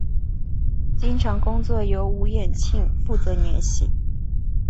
经常工作由吴衍庆负责联系。